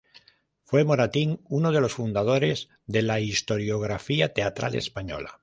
Fue Moratín uno de los fundadores de la historiografía teatral española.